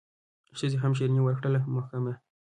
ښځي هم شیریني ورکړله محکمه